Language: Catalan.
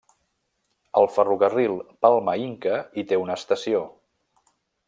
El ferrocarril Palma-Inca hi té una estació.